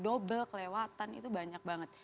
double kelewatan itu banyak banget